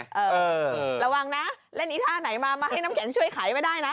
เออระวังนะเล่นอีท่าไหนมามาให้น้ำแข็งช่วยขายไม่ได้นะ